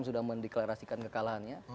sudah mendeklarasikan kekalahannya